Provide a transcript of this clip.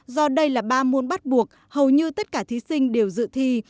do đây là ba môn bắt buộc hầu như tất cả thí sinh đều dự thi